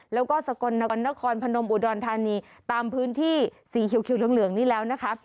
แล้วก็สกลนครนครพนมอุดรธานีตามพื้นที่สีเขียวเหลืองนี้แล้วนะคะ